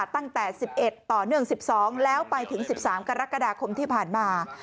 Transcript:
ตั้งแต่๑๑ต่อเนื่อง๑๒แล้วไปถึง๑๓กรกฎาคมที่ผ่านมา